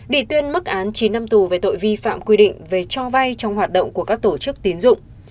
bị tuyên mức án chín năm tù về tội vi phạm quy định về cho vay trong hoạt động của các tổ chức tín dụng